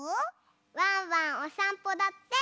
ワンワンおさんぽだって！